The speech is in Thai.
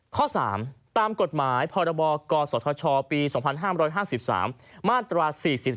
ข้อ๓ตามกฎหมายพรบกศธชปี๒๕๕๓มาตรา๔๔